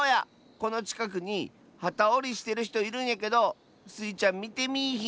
このちかくにはたおりしてるひといるんやけどスイちゃんみてみいひん？